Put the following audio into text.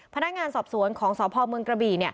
พนักงานสอบสวนของสพเมืองกระบี่